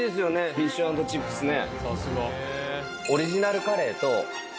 フィッシュ＆チップスね。